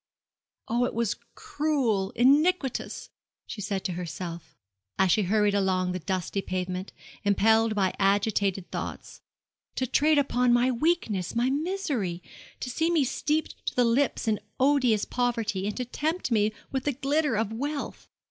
'Oh, it was cruel, iniquitous,' she said to herself, as she hurried along the dusty pavement, impelled by agitated thoughts, 'to trade upon my weakness my misery to see me steeped to the lips in odious poverty, and to tempt me with the glitter of wealth.